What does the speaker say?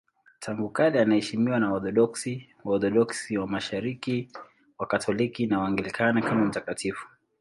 Tangu kale anaheshimiwa na Waorthodoksi, Waorthodoksi wa Mashariki, Wakatoliki na Waanglikana kama mtakatifu.